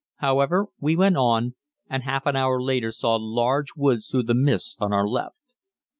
However, we went on, and half an hour later saw large woods through the mist on our left.